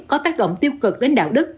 có tác động tiêu cực đến đạo đức